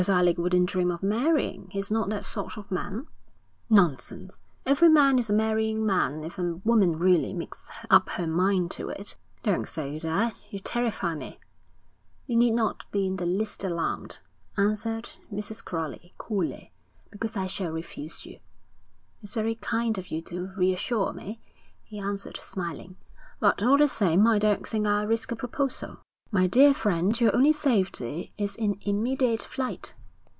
'Because Alec wouldn't dream of marrying. He's not that sort of man.' 'Nonsense. Every man is a marrying man if a woman really makes up her mind to it.' 'Don't say that. You terrify me.' 'You need not be in the least alarmed,' answered Mrs. Crowley, coolly, 'because I shall refuse you.' 'It's very kind of you to reassure me,' he answered, smiling. 'But all the same I don't think I'll risk a proposal.' 'My dear friend, your only safety is in immediate flight.'